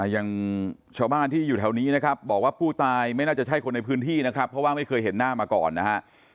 อย่างชาวบ้านที่อยู่แถวนี้นะครับบอกว่าผู้ตายไม่น่าจะใช่คนในพื้นที่นะครับเพราะว่าไม่เคยเห็นหน้ามาก่อนนะฮะ